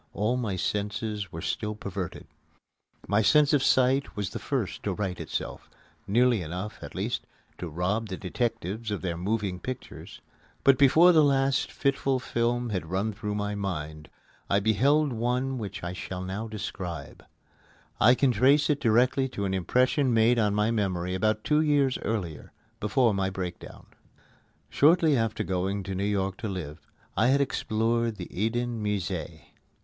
All my senses were still perverted. My sense of sight was the first to right itself nearly enough, at least, to rob the detectives of their moving pictures. But before the last fitful film had run through my mind, I beheld one which I shall now describe. I can trace it directly to an impression made on my memory about two years earlier, before my breakdown. Shortly after going to New York to live, I had explored the Eden Musée.